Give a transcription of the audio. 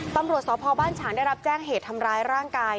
ตำรวจสพบ้านฉางได้รับแจ้งเหตุทำร้ายร่างกาย